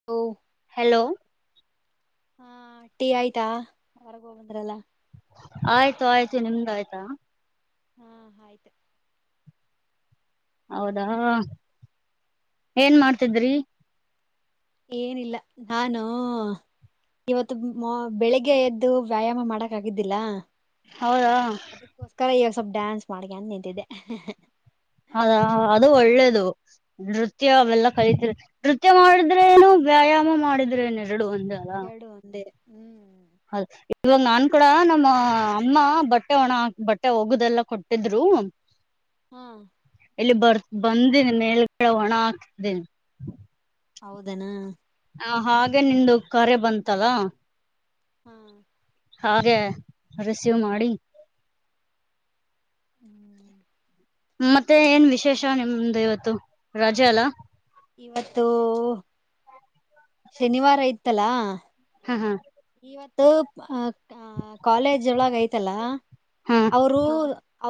[inaudible] Hello. ಹಾ tea ಆಯ್ತಾ ಹೊರಗ ಹೋಗ್ ಬಂದ್ರಲ್ಲ. ಆಯ್ತು ಆಯ್ತು ನಿಮ್ದ ಆಯ್ತಾ. ಹಾ ಆಯ್ತು. ಹೌದಾ ಏನ್ ಮಾಡ್ತಿದ್ರಿ. ಏನಿಲ್ಲ ನಾನು. ಇವತ್ತು ಮಾ ಬೆಳಿಗ್ಗೆ ಎದ್ದು ವ್ಯಾಯಾಮ ಮಾಡಕ್ ಆಗಿದ್ದಿಲ್ಲ. ಹೌದಾ. ಅದಕ್ಕೋಸ್ಕರ ಈವಾಗ ಸ್ವಲ್ಪ್ ಡಾನ್ಸ್ ಮಾಡ್ಕ್ಯ ತ ನಿಂತಿದ್ಯ. ಅದಾ ಅದು ಒಳ್ಳೇದು. ನೃತ್ಯ ಅವೆಲ್ಲ ಹೌದು ಕಲತಿರ ನೃತ್ಯ ಮಾಡಿದ್ರೆ ಏನು ವ್ಯಾಯಾಮ ಮಾಡಿದ್ರೆ ಏನ್ ಎರಡು ಒಂದೇ. ಎರಡು ಒಂದೇ ಹ್ಮ್. ಹೌದ ಇವಾಗ ನಾನ್ ಕೂಡ ನಮ್ಮ ಅಮ್ಮ ಬಟ್ಟೆ ಒಣ ಹಾಕ್ ಬಟ್ಟೆ ಹೋಗದೆಲ್ಲಾ ಕೊಟ್ಟಿದ್ರು. [inaudible] ಹಾ. ಇಲ್ಲಿ ಬರ್ ಬಂದಿನಿ ಮೇಲ್ ಗಡೆ ಒಣ ಹಾಕ್ದಿನ್ ಹೌದೇನಾ. ಹ ಹಾಗೆ ನಿಂದು ಕರೆ ಬಂತಲ್ಲ. ಹಾ. ಹಾಗೆ ರಿಸೀವ್ ಮಾಡಿ, ಹ್ಮ್. ಮತ್ತೆ ಏನ್ ವಿಶೇಷ ನಿಮ್ದ ಇವತ್ತು ರಜೆ ಅಲ್ಲಾ. ಇವತ್ತು ಶನಿವಾರ ಇತ್ತಲಾ. ಹಾ, ಹಾ ಇವತ್ತು ಅ ಅ ಕಾಲೇಜ್ ಒಳಗ ಐತಲ್ಲ ಹಾ ಅವರು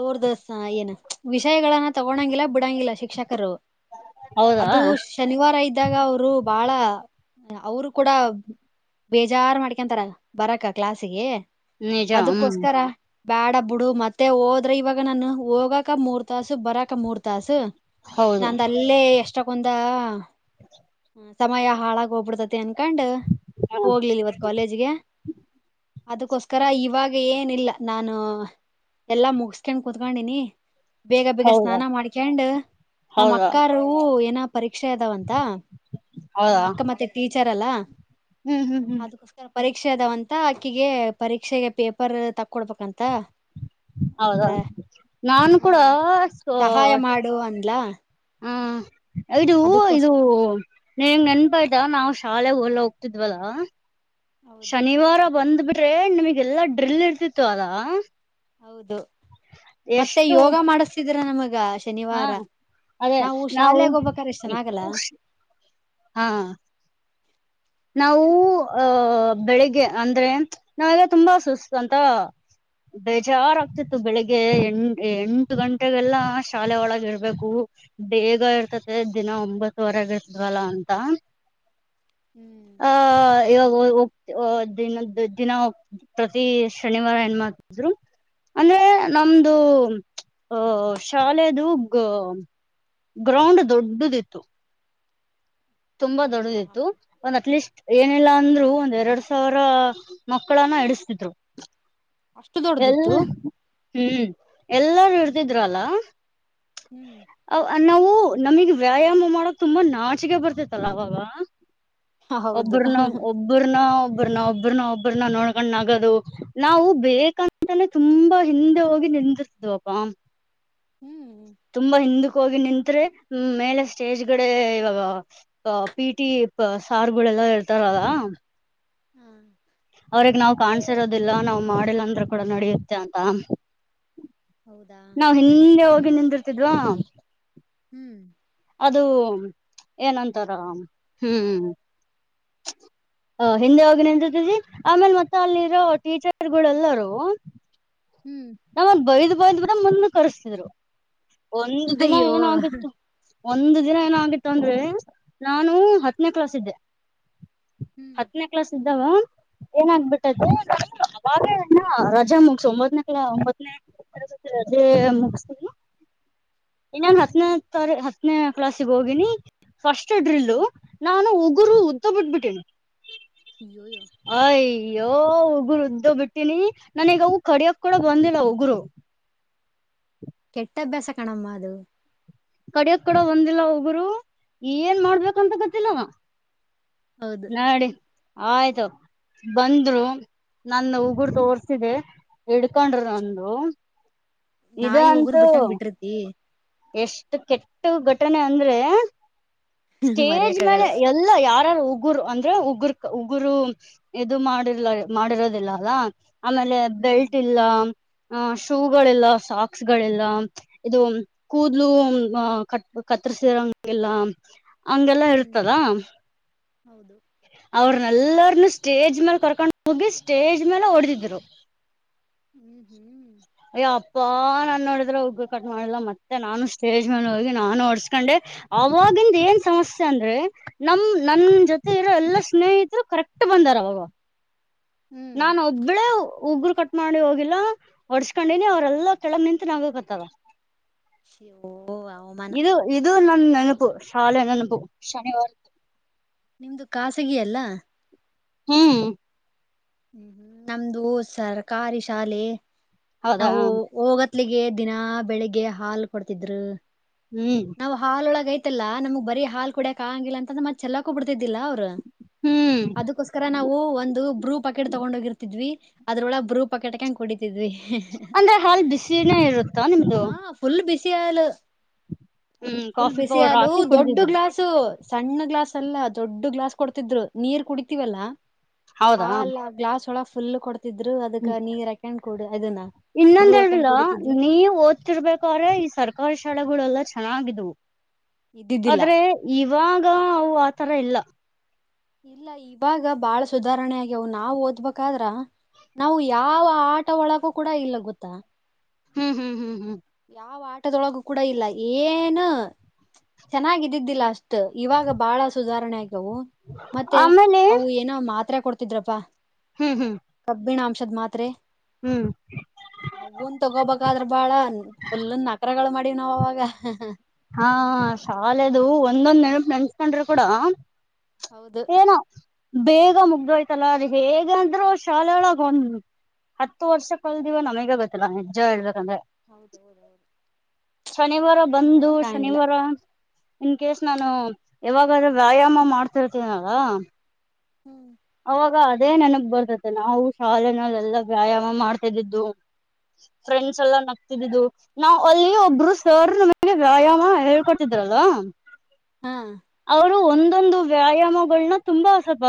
ಅವ್ರದ್ದ ಸ ಏನು ವಿಷಯಗಳನ್ನ ತಗೋಳಂಗಿಲ್ಲ ಬಿಡಂಗಿಲ್ಲ ಶಿಕ್ಷಕರು. ಹೌದಾ ಅದುಶ್ ಶನಿವಾರ ಇದ್ದಾಗ ಅವರು ಬಾಳ ಅವರು ಕೂಡ ಬೇಜಾರ್ ಮಾಡ್ಕ ಯಾಕಂತರ ಬರಕ ಕ್ಲಾಸ್ಗೆ ನಿಜ ಹ್ಮ್ ಅದಕ್ಕೋಸ್ಕರ, ಬ್ಯಾಡ ಬಿಡು ಮತ್ತೆ ಹೋದ್ರ ಇವಾಗ ನಾನ ಹೋಗಕ ಮೂರ್ ತಾಸು ಬರಾಕ ಮೂರ್ ತಾಸು. ಹೌದು ನಂದ್ ಅಲ್ಲೇ ಎಷ್ಟಕ್ಕೊಂದಾ ಸಮಯ ಹಾಳಾಗ ಹೋಗ್ಬಿಡ್ತತಿ ಅನ್ಕಂಡ್. ಹ ಹೋಗ್ಲಿಲ್ ಇವತ್ ಕಾಲೇಜ್ಗೆ. ಅದಕ್ಕೋಸ್ಕರ ಇವಾಗ ಏನಿಲ್ಲ ನಾನು ಎಲ್ಲಾ ಮುಗಿಸ್ಕೊಂಡ್ ಕುತ್ಕೊಂಡಿನಿ ಬೇಗ ಬೇಗ ಹೌದಾ ಸ್ನಾನ ಮಾಡ್ಕಂಡ್ ನಮ್ಮ್ ಹೌದಾ ಅಕ್ಕಾರೂ ಏನಪ್ಪ ಪರೀಕ್ಷೆ ಅದಾವಂತಾ ಹೌದಾ ನಮ್ಮ ಅಕ್ಕ ಮತ್ತೆ ಟೀಚರ್ ಅಲ್ಲಾ ಹ್ಮ್ ಹ್ಮ್ ಹ್ಮ್ ಅ ಪರೀಕ್ಷೆ ಅದಾವಂತ ಅಕ್ಕಿಗೆ ಪರೀಕ್ಷೆಗೆ ಪೇಪರ್ ತಕ್ಕೊಡ್ಬೇಕಂತ ಹೌದಾ ಅಂದ್ರೆ ನಾನು ಹಾ ಕೂಡ ಸಹಾಯ ಮಾಡು ಅಂದ್ಲಾ ಹಾ ಇದು ಇದು ಅದಕ್ಕೋಸ್ಕರ ನೀಗೆ ನೆನಪ ಆಯ್ತಾ ನಾವು ಶಾಲೆಗೆ ಹೊಲ್ಲ ಹೋಗ್ತಿದ್ವಲ್ಲಾ ಹೌದು ಶನಿವಾರ ಬಂದ್ ಬಿಟ್ರೆ ನಿಮಗೆಲ್ಲಾ ಡ್ರಿಲ್ ಇರ್ತಿತ್ತು ಅಲ್ಲಾ ಹೌದು ಮತ್ತೆ ಯೋಗ ಮಾಡಿಸತಿದರ ನಮಗ ಹಾ ಶನಿವಾರ ನಾವು ಶಾಲೆೆಗೆ ಹೋಗ್ಬೇಕ್ರೆ ಎಷ್ಟು ಚೆನ್ನಾಗಲ್ಲ ಹಾ ನಾವು ಅಹ ಬೆಳಿಗ್ಗೆ ಅಂದ್ರೆ ನಾವೆಲ್ಲ ತುಂಬಾ ಸುಸ್ತ ಅಂತಾ ಬೇಜಾರಗ್ತಿತ್ತು ಬೆಳಿಗ್ಗೆ ಎಂಟ ಎಂಟು ಗಂಟೆಗೆಲ್ಲಾ ಶಾಲೆ ಒಳಗ ಇರ್ಬೇಕು ಬೇಗ ಇರ್ತದೆ ದಿನ ಒಂಬತ್ವರೆಗ ಇರ್ತದ್ವಲ್ಲ ಅಂತಾ ಹುಂ ಹ ಇವಾಗ ಹೋಗ್ತಿ ದಿನ ದಿನ ಹೋಗ ಪ್ರತಿ ಶನಿವಾರ ಏನ್ ಮಾಡಾತಿದ್ರು ಅಂದ್ರೆ ನಮ್ದು ಅ ಶಾಲೆದು ಗ್ರೌಂಡ್ ದೊಡ್ಡದ ಇತ್ತು ತುಂಬಾ ಹ ದೊಡ್ಡದಿತ್ತು ಒಂದ್ ಅಟ್ ಲೀಸ್ಟ್ ಏನಿಲ್ಲಾ ಅಂದ್ರು ಒಂದ್ ಎರಡ್ ಸಾವಿರ ಮಕ್ಕಳನ್ನ ಇಡಸ್ತಿದ್ರು ಅಷ್ಟು ಎಲ್ ದೊಡ್ದಿತ್ತು ಹುಂ ಎಲ್ಲಾರು ಇರ್ತಿದ್ರ ಅಲ್ಲಾ ಹ್ಮ್ ಅವ ನಾವು ನಮಗ್ ವ್ಯಾಯಾಮ ಮಾಡೋಕ್ ತುಂಬಾ ನಾಚಿಕೆ ಬರ್ತೇತ್ತಲ್ಲಾ ಅವಾಗ ಹೌದು ಒಬ್ಬ್ರನ ಒಬ್ಬ್ರನ ಒಬ್ಬ್ರನ ಒಬ್ಬ್ರನ ಒಬ್ಬ್ರನ ನೋಡ್ಕೊಂಡ ನಗೋದು ನಾವು ಬೇಕಂತಾನೆ ತುಂಬಾ ಹಿಂದೆ ಹೋಗಿ ನಿಂದರ್ತಿ ದಪ್ಪಾ ಹುಂ ತುಂಬಾ ಹಿಂದಕ್ಕ ಹೋಗಿ ನಿಂತ್ರೆ ಮೇಲೆ ಸ್ಟೇಜ್ ಗಡೆ ಇವಾಗ ಅ ಪಿ ಟಿ ಸಾರ್ ಗಳೆಲ್ಲ ಇರ್ತಾರಲ್ಲಾ ಹ್ಮ್ ಅವ್ರಗ್ ನಾವ್ ಕಾಣ್ಸಿರೋದಿಲ್ಲ ನಾವ್ ಮಾಡಿಲ್ಲ ಅಂದ್ರ ಕೂಡ ನಡೆಯುತ್ತೆ ಅಂತ ಹೌದಾ ನಾವ್ ಹಿಂದೆ ಹೋಗಿ ನಿಂತಿರುತ್ತಿದ್ದವ್ ಹುಂ ಅದು ಏನಂತಾರ ಹುಂ ಹ ಹಿಂದೆ ಹೋಗಿ ನಿಂತತಿವಿ ಆಮೇಲ್ ಮತ್ತೆ ಅಲ್ಲಿರೋ ಟೀಚರ್ ಗಳೆಲ್ಲಾರೂ ಹುಂ ನಮ್ಮನ್ ಬೈದ್ ಬೈದ್ ಬಡ ಮುಂದ ಕರ್ಸ್ತಿದ್ರು ಒಂದು ದಿನ ಅಯ್ಯೋ ಏನಾಗಿತ್ತು ಒಂದು ದಿನ ಏನ ಆಗಿತ್ತು ಅಂದ್ರೆ ನಾನು ಹತ್ತನೇ ಕ್ಲಾಸ್ ಇದ್ದೆ ಹ್ಮ್ ಹತ್ತನೇ ಕ್ಲಾಸ್ ಇದ್ದಾವ ಏನಾಗಬಿಟ್ಟದ ಅವಾಗೆ ಇನೆ ರಜಾ ಮುಗಸ ಒಂಬತ್ನಕ್ಲಾ ಒಂಬತ್ತನೇ [unintelligible] ಇನ್ನಂಗ್ ಹತ್ತನೇ ತ ಹತ್ತನೇ ಕ್ಲಾಸ್ಗೆ ಹೋಗಿನಿ ಫಸ್ಟ್ ಡ್ರಿಲು ಹ್ಮ್ ನಾನು ಉಗುರು ಉದ್ದ ಬಿಟ್ಬ ಬಿಟ್ಟೇನಿ ಯೋ ಯೋ ಅಯ್ಯೋ ಉಗುರು ಉದ್ದು ಬಿಟ್ಟಿನಿ ನನ್ಗ ಅವ ಕಡಿಯಕ್ ಕೂಡ ಬಂದಿಲ್ಲ ಉಗರು ಕೆಟ್ಟ ಅಭ್ಯಾಸ ಕಣಮ್ಮ ಅದು ಕಡಿಯೋದ ಕಡದ ಕಡೆ ಬಂದಿಲ್ಲ ಉಗುರು ಏನ್ ಮಾಡ್ಬೇಕಂತ ಗೊತ್ತಿಲ್ಲ ಹೌದು [inaudible] ನಡಿ [inaudible] ಆಯ್ತು [inaudible] ಬಂದ್ರು ನನ್ನ ಉಗುರು ತೋರ್ಸಿದೆ ಇಡ್ಕೊಂಡ್ರರು ನಂದು ಇದು ಅಂತೂ ಈಏ ಎಷ್ಟು ಕೆಟ್ಟು ಘಟನೆ ಅಂದ್ರೆ [inaudible] ಸ್ಟೇಜ್ ಮರ್ಯಕ್ ಮೇಲೆ ಆಗಲ್ಲ ಫುಲ್ ಯಾರಾರ ಉಗುರು ಅಂದ್ರೆ ಉಗುಕ್ ಉಗುರು ಇದು ಮಾಡಿರ್ಲ ಮಾಡಿರೋದಿಲ್ಲ ಅಲ್ಲಾ ಆಮೇಲೆ ಹ್ಮ್ ಬೆಲ್ಟ್ ಇಲ್ಲ ಹ ಶೂಗಳಿಲ್ಲ ಸಾಕ್ಸಗಳಿಲ್ಲ ಇದು ಕೂದ್ಲು ಕ ಕತ್ತರ್ಸಿರಂಗೆಲ್ಲ ಹಂಗೆಲ್ಲಾ ಹ್ಮ್ ಹೇಳತಾರ ಹೌದು ಅವ್ರನೆಲ್ಲರನು ಸ್ಟೇಜ್ ಮೇಲೆ ಕರ್ಕೊಂಡ್ ಹೋಗಿ ಸ್ಟೇಜ್ ಮೇಲೆ ಹೊಡೆದಿದ್ರು ಹ್ಮ್ ಹ್ಮ್ ಅಯ್ಯ ಅಪ್ಪಾ ನಾನ ನೋಡಿದ್ರೆ ಉಗರ ಕಟ್ ಮಾಡಿಲ್ಲ ಮತ್ತೆ ನಾನು ಸ್ಟೇಜ್ ಮೇಲೆ ಹೋಗಿ ನಾನು ಹೊಡಸ್ಕೊಂಡೆ ಅವಾಗಿಂದ ಏನ್ ಸಮಸ್ಯೆ ಅಂದ್ರೆ ನಮ ನಮ್ಮ ನನ್ ಜೊತೆ ಇರೋ ಎಲ್ಲಾ ಸ್ನೇಹಿತರು ಕರೆಕ್ಟ ಬಂದಾರ ಅವಾಗ ಹ್ಮ್ ನಾನ ಒಬ್ಬ ಒಬ್ಬಳ ಉಗರು ಕಟ್ ಮಾಡಿ ಹೋಗಿಲ್ಲ ಒಡಸ್ಕೊಂಡಿನಿ ಅವ್ರಲ್ಲಾ ಕೆಳಗ ನಿಂತ ನಗಕತ್ತರಾ. ಶ ಓ ಅವಮಾನ ಇದು ಇದು ನನ್ನ ನೆನಪು ಶಾಲೆ ನೆನಪು ಶನಿವಾರ ನಿಮ್ದು ಖಾಸಗಿ ಅಲ್ಲ ಹ್ಮ್ ಹ್ಮ್ ನಮ್ದು ಸರ್ಕಾರಿ ಶಾಲೆ [inaudible] ಹೌದಾ ನಾವು ಹೊಗ ಹೋಗತಿಲ್ಗೆ ದಿನಾ ಬೆಳಿಗ್ಗೆ ಹಾಲ ಕೊಡ್ತಿದ್ರ ಹ್ಮ್ ನಾವು ಹಾಲಒಳ್ಗ ಐತಲ್ಲ ನಮ್ಗೆ ಬರಿ ಹಾಲ್ ಕುಡಿಯಕ ಆಂಗಿಲ್ಲ ಅಂತನ ಮತ್ತ ಚಲ್ಲಾಕುನು ಬಿಡ್ತಿದ್ದಿಲ್ಲ ಅವರ ಹ್ಮ್ ಅದಕ್ಕೋಸ್ಕರ ನಾವು ಒಂದು ಬ್ರೂ ಪಕೆಟ್ ತಗೊಂಡ ಹೋಗಿರ್ತಿದ್ವಿ ಅದ್ರೊಳ ಬ್ರೂ ಪಕೆಟ್ ಹಕ್ಕೇಡ್ ಕುಡಿತಿದ್ವಿ [unintelligible] ಅಂದ್ರೆ ಹಾಲ್ ಬಿಸಿನ ಇರುತ್ತಾ ನಿಮ್ದು. ಹಾ ಫುಲ್ ಬಿಸಿಯಾಲು ಹ್ಮ್ [inaudible] ಫುಲ್ ಕಾಫಿ ಪೌಡರ್ ಬಿಸಿಯಾಲು ಹಾಕಿ ದೊಡ್ಡ ಕುಡಿದಿದ್ರಿ ಗ್ಲಾಸ್ ಸು ಸಣ್ಣ ಗ್ಲಾಸ್ ಅಲ್ಲಾ ದೊಡ್ಡ ಗ್ಲಾಸ್ ಕೊಡ್ತಿದ್ರು ನೀರ್ ಕುಡಿತೀವಲ್ಲಾ [inaudible] ಹೌದಾ ಹಾ ಅಲ್ಲ ಗ್ಲಾಸ್ ಒಳ ಫುಲ್ ಕೊಡ್ತ ತಿದ್ರು ಹ್ಮ್ ಅದಕ್ಕ ನೀರು ಹಾಕಂಡ್ ಕು ಅದನ ಬರು ಹಾಕೊಂಡ್ ಕುಡಿತಿದ್ವಿ. ನೀವು ಓದ್ತಿರ್ಬೇಕಾದ್ರೆ ಈ ಸರ್ಕಾರಿ ಶಾಲೆಗಳೆಲ್ಲಾ ಚೆನ್ನಾಗಿದವು [inaudible] ಇದ್ದಿದ್ದಿಲ್ಲ ಆದ್ರೆ ಇವಾಗ ಅವು ಆತರ ಇಲ್ಲ ಇಲ್ಲ ಇವಾಗ ಬಾಳ ಸುಧಾರಣೆ ಆಗ್ಯವು ನಾವ್ ಓದಬೇಕಾದ್ರ ನಾವು ಯಾವ ಆಟ ಒಳಗೂ ಕೂಡ ಇಲ್ಲ ಗೊತ್ತಾ ಹ್ಮ್ ಹ್ಮ್ ಹ್ಮ್ ಯಾವ ಆಟದೊಳಗು ಕೂಡ ಇಲ್ಲ ಏನ ಚೆನ್ನಾಗಿದ್ದಿದ್ದಿಲ್ಲ ಅಷ್ಟ ಇವಾಗ ಬಾಳ ಸುಧಾರಣೆ ಆಗ್ಯವು [inaudible] ಮತ್ತೆ ಆಮೇಲೆ ಅವು ನ ಮಾತ್ತ್ರ ಕೊಡ್ತಿದ್ರಪ್ಪಾ ಹ್ಮ್ ಹ್ಮ್ ಕಬ್ಬಿಣಾಂಶದ ಮಾತ್ರೆ. ಹ್ಮ್ ಅವುನ್ ತಗೋಬಕಾದ್ರ ಬಾಳ ಫುಲ್ ನಕ್ರಗಳು ಮಾಡಿವ್ ನಾವ ಅವಾಗ. ಹಾ ಶಾಲೆದು ಒಂದೊಂದ್ ನೆನ್ಪ್ ನೆನ್ಸ್ಕೊಂಡ್ರು ಕೂಡ. ಹೌದು. ಏನೋ ಬೇಗ ಮುಗ್ದೋಯ್ತಲ್ಲ ಅದ ಹೇಗ ಅಂದ್ರು ಶಾಲೆ ಒಳಗ ಹತ್ತು ವರ್ಷ ಕಳದಿವ ನಮಗೆ ಗೊತ್ತಿಲ್ಲ ನಿಜ್ಜ ಹೇಳ್ಬೇಕಂದ್ರೆ. ಹೌದ ಹೌದ ಹೌದು. ಶನಿವಾರ ಬಂದು. [unintelligible] ಇನ್ ಕೇಸ್ ನಾನು ಯಾವಾಗರ ವ್ಯಾಯಾಮ ಮಾಡ್ತಿರ್ತೀನಲ್ಲ. ಹ್ಮ್ ಅವಾಗ ಅದೇ ನೆನಪ್ ಬರ್ತತೆ ನಾವು ಶಾಲೆನಲೆಲ್ಲಾ ವ್ಯಾಯಾಮ ಮಾಡ್ತಿದ್ದಿದ್ದು. ಫ್ರೆಂಡ್ಸ್ ಎಲ್ಲಾ ನಗ್ತಿದ್ದಿದ್ದು. ನಾವ್ ಅಲ್ಲಿ ಒಬ್ರು ಸರ್ ನಮಗೆ ವ್ಯಾಯಾಮ ಹೇಳ್ಕೊಡ್ತಿದ್ರಲ್ವಾ. ಹಾ ಅವ್ರು ಒಂದೊಂದು ವ್ಯಾಯಾಮಗಳನ್ನ ತುಂಬಾ ಸ್ವಲ್ಪ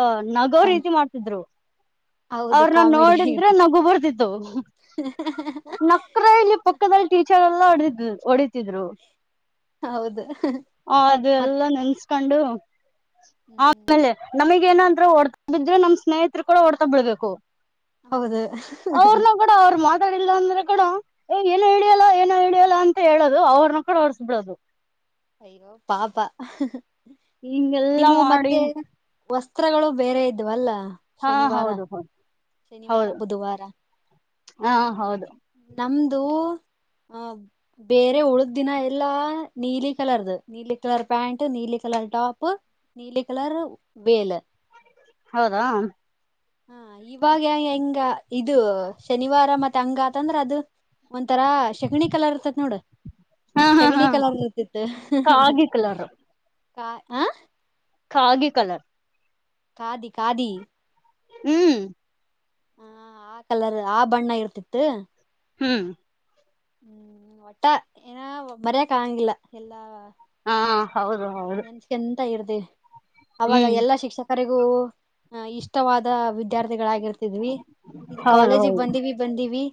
ಅ ನಗೋ ಫನ್ ರೀತಿ ಮಾಡ್ತ. ತಿದ್ರು ಹೌದು ಅವ್ರನ್ನ ಕಾಮಿಡಿ ನೋಡಿದ್ರೆ ಆಗಿರ್ತತಿ ನಗು ಬರ್ತಿತ್ತು ನಕ್ ಕ್ರೆ ಇಲ್ಲಿ ಪಕ್ಕದಲ್ಲಿ ಟೀಚರ್ ಎಲ್ಲ ಹೊಡೀತಿ ಹೊಡಿತಿದ್ರು. ಹೌದು ಹ ಅದು ಮತ್ ಎಲ್ಲಾ ನೆನ್ಸ್ಕೊಂಡು ಆಮೇಲೆ ನಮಗೆ ಏನಾದ್ರು ಹೊಡ್ ಬಿದ್ರೆ ನಮ್ ಸ್ನೇಹಿತ್ರ್ ಕೂಡ ಓಡ್ತಾ ಬೀಳ್ಬೇಕು. ಹೌದು ಕೂಡ ಅವ್ರ ಮಾತಾಡಿಲ್ಲ ಅಂದ್ರೆ ಕೂಡ. ಏ ಏನು ಹಿಡಿಯಲ್ಲೋ ಏನೂ ಹಿಡಿಯಲ್ಲೊ ಅಂತ ಹೇಳೋದು ಅವ್ರನ್ನ ಕಡ ಹೋಡ್ಸ್ ಬಿಡೋದು. ಅಯ್ಯೋ ಪಾಪ ಹಿಂಗೆಲ್ಲಾ ನಿವು ಮಾಡಿ ಮತ್ತೆ. ವಸ್ತ್ರಗಳು ಬೇರೆ ಇದ್ವಲ್ಲ. ಹಾ ಶನಿವಾರ ಹೌದು ಹೌದು ಶನಿವಾರ ಹೌದು ಬುಧವಾರ ಹಾ ಹೌದು. ನಮ್ದು ಅ ಬೇರೆ ಉಳ್ದ ದಿನ ಎಲ್ಲಾ ನೀಲಿ ಕಲರ್ದು. ನೀಲಿ ಕಲರ್ ಪ್ಯಾಂಟ ನೀಲಿ ಕಲರ್ ಟಾಪ ನೀಲಿ ಕಲರ್ ವೇಲ್. ಹೌದಾ ಹಾ ಇವಾಗ ಹೆ ಹೆಂಗ ಇದು ಶನಿವಾರ ಮತ ಹಂಗಾತಂದ್ರ ಅದು. ಒಂತರಾ ಶಗಣಿ ಕಲರ್ ಇರ್ತತ ನೋಡ. ಹಾ ಹಾ ಶಗಣಿ ಹಾ ಕಲರ್ ಇರ್ತಿತ್ತ ಕಾಗಿ ಕಲರ್ ಕಾ ಹ. ಕಾಗೆ ಕಲರ್. ಕಾದಿ ಕಾಧಿ. ಹ್ಮ್ ಹ ಆ ಕಲರ್ ಆ ಬಣ್ಣ ಇರ್ತಿತ್ತು. ಹ್ಮ್ ಹ್ಮ್ ಒಟ್ಟ ಏನ ಮರ್ಯಕ್ ಆಂಗಿಲ್ಲ ಎಲ್ಲಾ. ಹಾ ಹೌದು ಹೌದು ನೆನ್ಸಕಂತ ಇರ್ದವಿ ಅವಾಗ ಹ್ಮ್ ಎಲ್ಲಾ ಶಿಕ್ಷ ಕರಿಗೂ ಹ್ಮ್ ಇಷ್ಟವಾದ ವಿದ್ಯಾರ್ಥಿಗಳಾಗಿರ್ ತ್ತಿದ್ವಿ ಇದ ಹೌದು ಕಾಲೇಜಿಗೆ ಹೌದು ಬಂದಿವಿ ಬಂದೀವಿ.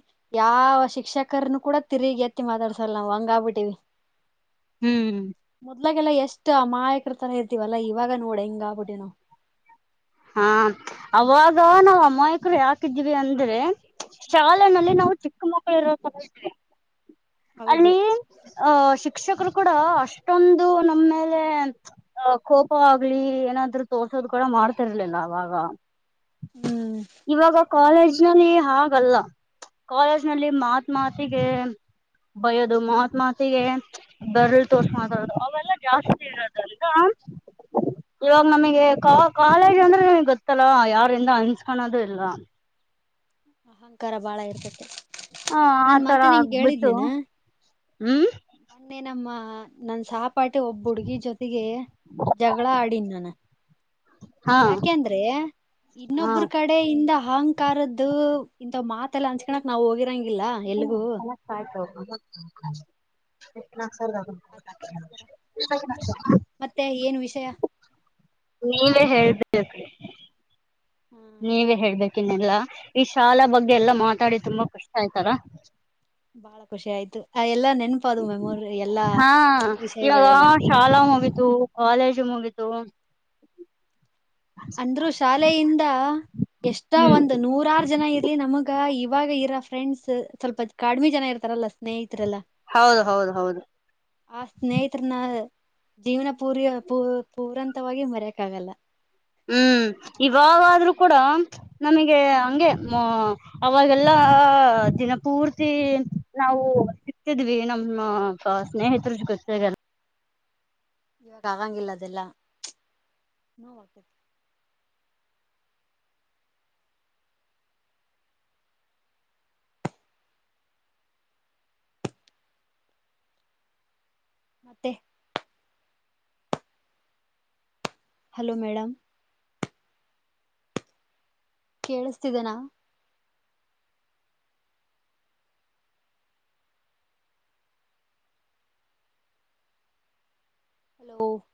ಯಾವ ಶಿಕ್ಷಕರನು ಕೂಡ ತಿರ್ಗ ಎತ್ತಿ ಮಾತಾಡ್ಸಲ್ಲ ನಾವು ಹಂಗ ಆಗ್ಬಿಟ್ಟಿವಿ. ಹ್ಮ್ ಮೊದ್ಲಗೆಲ್ಲ ಎಷ್ಟು ಅಮಾಯಕರತರ ಇರ್ತೀವಲ್ಲಾ ಇವಾಗ ನೋಡೆ ಹೆಂಗ್ ಆಗ್ಬಿಟ್ಟಿವ ನಾವ್ ಹಾ ಅವಾಗ ನಾವ್ ಅಮಾಯಕರು ಯಾಕಿದ್ವಿ ಅಂದ್ರೆ ಶಾಲೆನಲ್ಲಿ ಹ್ಮ್ ನಾವು ಚಿಕ್ಕ ಮಕ್ಕಳು ಇರೋತರ ಇದ್ವಿ. ಹೌದು ಅಲ್ಲಿ ಹ ಶಿಕ್ಷಕರು ಕೂಡ ಅಷ್ಟೊಂದು ನಮ್ಮೆಲೇ ಆ ಕೋಪ ಆಗ್ಲಿ ಏನಾದ್ರು ತೋರ್ಸೋದು ಕೂಡ ಮಾಡ್ತರ್ಲಿಲ್ಲ ಅವಾಗ. ಹ್ಮ್ ಇವಾಗಾ ಕಾಲೇಜ್ ಜನಲ್ಲಿ ಹಾಗಲ್ಲ ಕಾಲೇಜ್ ನಲ್ಲಿ ಮಾತ್ ಮಾತಿಗೆ ಬಯ್ಯೋದು ಮಾತ್ ಮಾತಿಗೆ ಬೆರಳು ತೋರ್ಸ ಮಾತಾಡದು ಅವೆಲ್ಲಾ ಜಾಸ್ತಿ ಇರೋದಲ್ದ ಇವಾಗ ನಮಗೆ ಕಾ ಕಾಲೇಜ್ ಅಂದ್ರೆ ನಿಮಗ್ ಗೊತ್ತಲ್ಲ ಯಾರಿಂದ ಅನಸ್ ಕಣದು ಇಲ್ಲ ಅಹಂಕಾರ ಬಾಳ ಇರ್ತತೆ ಹ ನಾನ್ ಆತರ ಮೊನ್ನೆ ನಿಂಗ ಆಗ್ಬಿಟ್ಟು ಹೇಳಿದ್ನೇನ್ ಹ್ಮ್ ಮೊನ್ನೆ ನಮ್ಮ ನನ್ನ ಸಹಪಾಟಿ ಒಬ್ಬ ಹುಡ್ಗಿ ಜೊತೆಗೆ ಜಗಳ ಆಡಿನ್ ನಾನು ಹಾ ಯಾಕೆಂದ್ರೆ ಹಾ ಇನ್ನೊಬ್ರು ಕಡೆಯಿಂದ ಅಹಂಕಾರದ್ದು ಇಂತವ ಮಾತ್ ಮತ್ತೆಲ್ಲ ಹಂಚ್ಕಣಕ್ ನಾವ್ ಹೋಗಿರಂಗಿಲ್ಲ ಎಲ್ಗೂ ಕನೆಕ್ಟ್ ಆಯ್ತು ಹೋಗ ಎ ನಾಕ್ ಸಾವರಿ ಅದಕ್ಕೋಸ್ಕರ ದಾವ ಮತ್ತೆ ಏನ್ [unintelligible] ವಿಷಯ ನೀವೇ ಹೇಳ್ಬೇಕ್ರಿ. ಹ್ಮ ನೀವೇ ಹೇಳ್ಬೇಕ ಇನ್ನೆಲ್ಲಾ ಈ ಶಾಲಾ ಬಗ್ಗೆ ಎಲ್ಲಾ ಮಾತಾಡಿ ತುಂಬಾ ಖುಷಿ ಆಯ್ತಲಾ. ಬಾಳ ಖುಷಿ ಆಯ್ತು ಆ ಎಲ್ಲಾ ನೆನಪು ಅದು ಮೆಮೋರಿ ಎಲ್ಲಾ ಹಾ ಇವಾಗ ವಿಷಯಗಳೆಲ್ಲ. ಶಾಲಾ ಮುಗಿತು ಕಾಲೇಜು ಮುಗಿತು ಅಂದ್ರು ಶಾಲೆಯಿಂದ ಎಷ್ಟೋ ಒಂದು ನೂರಾರು ಜನ ಇರ್ಲಿ ನಮಗ್ ಗ್ ಇವಾಗ ಇರೋ ಫ್ರೆಂಡ್ಸ್ ಸ್ವಲ್ಪ ಕಡಿಮಿ ಜನ ಇರ್ತಾರಲ್ಲಾ ಸ್ನೇಹಿತರೆಲ್ಲಾ ಹೌದು ಹೌದು ಹೌದು ಆ ಸ್ನೇಹಿತರನಾ ಜೀವನ ಪೂರಿಯೋ ಪೂ ಪೂರಂತವಾಗಿ ಮರೆಯಕ್ಕ ಆಗಲ್ಲ. ಹ್ಮ್ ಇವಾಗಾದ್ರೂ ಕೂಡ ನನಗೆ ಹಂಗೆ ಮ ಅವಾಗೆಲ್ಲ ದಿನ ಪೂರ್ತಿ ನಾವು ಸಿಕ್ತಿದ್ವಿ ನಮ್ಮ್ ಹ ಸ್ನೇಹಿತರು ತ್ತಿ ಗ [unintelligible] ಆಗಂಗಿಲ್ಲ ಅದೆಲ್ಲಾ ಮತ್ತೆ ಹಲೋ ಮೇಡಮ್ ಕೇಳಿಸತಿದೆನಾ. [unintelligible]